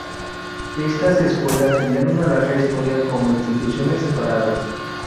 Estas escuelas tenían una larga historia como instituciones separadas.